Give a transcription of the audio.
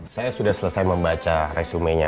saya sudah selesai membaca resumenya